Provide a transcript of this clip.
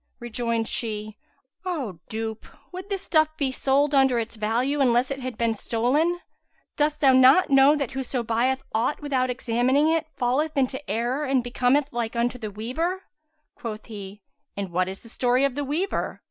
Rejoined she, "O dupe, would this stuff be sold under its value, unless it had been stolen? Dost thou not know that whoso buyeth aught without examining it, falleth into error and becometh like unto the weaver?" Quoth he, "And what is the story of the weaver?"